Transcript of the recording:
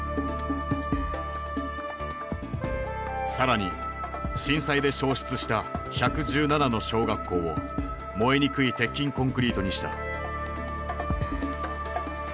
更に震災で焼失した１１７の小学校を燃えにくい鉄筋コンクリートにした。